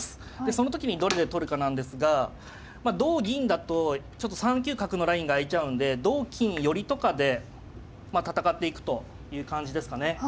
その時にどれで取るかなんですが同銀だと３九角のラインが開いちゃうんで同金寄とかで戦っていくという感じですかね。